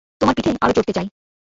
তোমার পিঠে আরও চড়তে চাই।